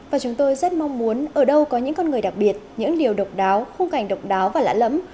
và chúng tôi rất mong muốn ở đâu có những con người đặc biệt những điều độc đáo khung cảnh độc đáo và lạ lẫm